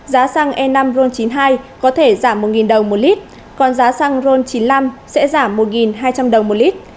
giá xăng e năm ron chín mươi hai có thể giảm một đồng một lít còn giá xăng ron chín mươi năm sẽ giảm một hai trăm linh đồng một lít